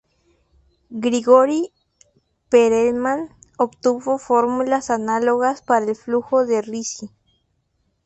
Grigori Perelman obtuvo fórmulas análogas para el flujo de Ricci.